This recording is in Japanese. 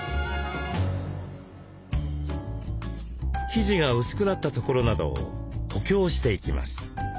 生地が薄くなったところなどを補強していきます。